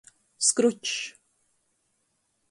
Skručs.